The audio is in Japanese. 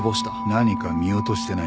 何か見落としてないか？